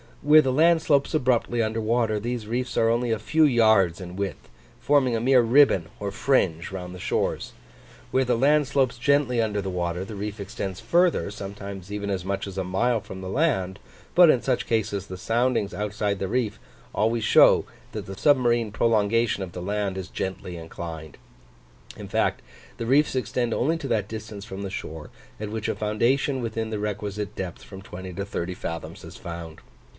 Where the land slopes abruptly under water, these reefs are only a few yards in width, forming a mere ribbon or fringe round the shores: where the land slopes gently under the water the reef extends further, sometimes even as much as a mile from the land; but in such cases the soundings outside the reef always show that the submarine prolongation of the land is gently inclined. In fact, the reefs extend only to that distance from the shore, at which a foundation within the requisite depth from 20 to 30 fathoms is found.